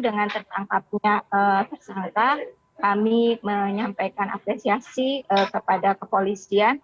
dengan tertangkapnya tersangka kami menyampaikan apresiasi kepada kepolisian